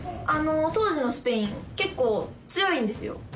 当時のスペイン結構強いんですよ。